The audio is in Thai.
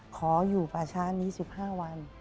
ขออยู่ป่าช้านี้๑๕วัน